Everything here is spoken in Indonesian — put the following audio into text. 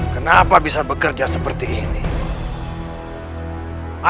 kenapa bisa bekerja sepenuhnya